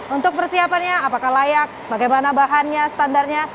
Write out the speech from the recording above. untuk persiapannya apakah layak bagaimana bahannya standarnya